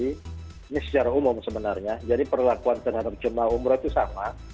ini secara umum sebenarnya jadi perlakuan terhadap jemaah umroh itu sama